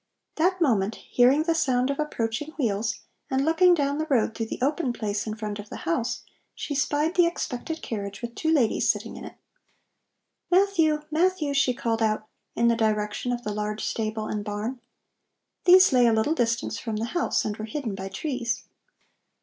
That moment, hearing the sound of approaching wheels, and looking down the road through the open place in front of the house, she spied the expected carriage with two ladies sitting in it. "Matthew, Matthew," she called out, in the direction of the large stable and the barn. These lay a little distance from the house, and were hidden by trees.